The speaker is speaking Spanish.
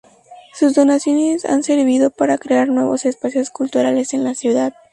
Sus donaciones han servido para crear nuevos espacios culturales en la ciudad.